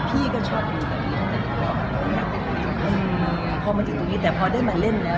พี่ก็ชอบอยู่ตรงนี้พอมาถึงตรงนี้แต่พอได้มาเล่นแล้ว